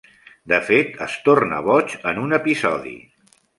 De fet, es torna boig en un episodi.